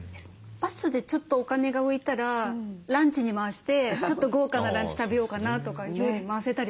バスでちょっとお金が浮いたらランチに回してちょっと豪華なランチ食べようかなとか費用に回せたりもねしますよね。